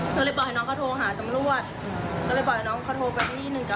ก็เลยบอกให้น้องเขาโทรหาตำรวจก็เลยบอกให้น้องเขาโทรไปที่หนึ่งกับ